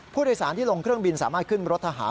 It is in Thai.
ผู้โดยสารที่ลงเครื่องบินสามารถขึ้นรถทหาร